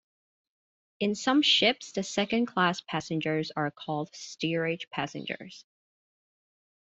In some ships the second-class passengers are called steerage passengers.